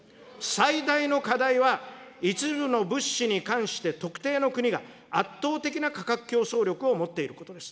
最大の課題は一部の物資に関して特定の国が圧倒的な価格競争力を持っていることです。